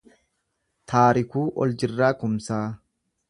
Taarikuu Oljirraa Kumsaa